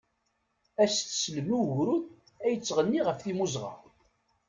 ad as-teslem i ugrud ad yetɣenni ɣef timmuzɣa.